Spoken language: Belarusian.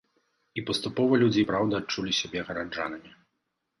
І паступова людзі і праўда адчулі сябе гараджанамі!